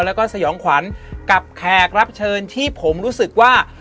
แล้วก็สยองขวัญกับแขกรับเชิญที่ผมรู้สึกว่า